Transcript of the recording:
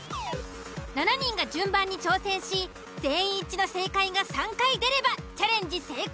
７人が順番に挑戦し全員一致の正解が３回出ればチャレンジ成功